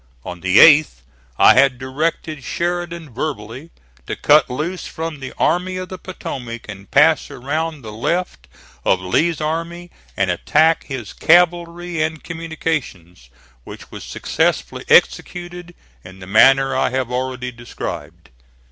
On the 8th I had directed Sheridan verbally to cut loose from the Army of the Potomac and pass around the left of Lee's army and attack his cavalry and communications, which was successfully executed in the manner I have already described.